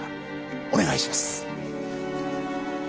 お願いします。